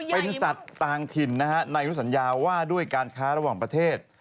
เป็นสัตว์ต่างถิ่นนะฮะในสัญญาว่าด้วยการค้าระหว่างประเทศ